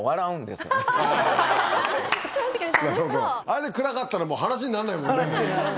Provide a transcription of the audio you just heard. あれで暗かったらもう話になんないもんね。